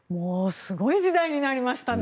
すごい時代になりましたね。